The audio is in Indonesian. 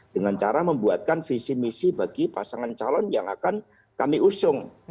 dengan cara membuatkan visi misi bagi pasangan calon yang akan kami usung